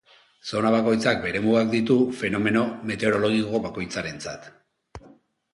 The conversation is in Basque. Zona bakoitzak bere mugak ditu, fenomeno meteorologiko bakoitzarentzat.